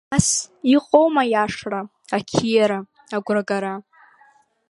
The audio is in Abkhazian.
Нас, иҟоума аиашара, ақьиара агәрагара?